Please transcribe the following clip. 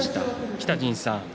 北陣さん